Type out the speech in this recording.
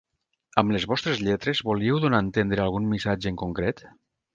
Amb les vostres lletres volíeu donar a entendre algun missatge en concret?